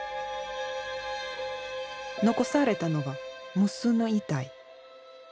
残されたのは無数の遺体。